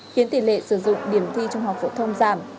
khiến tỷ lệ sử dụng điểm thi trung học phổ thông giảm